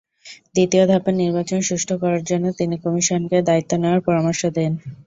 দ্বিতীয় ধাপের নির্বাচন সুষ্ঠু করার জন্য তিনি কমিশনকে দায়িত্ব নেওয়ার পরামর্শ দেন।